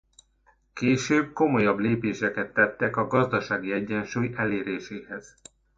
Később komolyabb lépéseket tettek a gazdasági egyensúly eléréséhez.